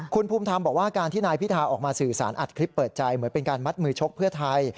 คุณภูมิธรรมบอกว่าการที่นายพิธาออกมาสื่อสารอัดคลิปเปิดใจเหมือนเป็นการมัดมือชกเพื่อไทย